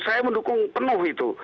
saya mendukung penuh itu